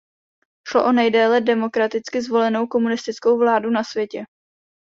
Šlo o nejdéle demokraticky zvolenou komunistickou vládu na světě.